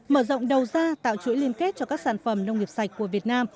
mở rộng đầu ra tạo chuỗi liên kết cho các sản phẩm nông nghiệp sạch của việt nam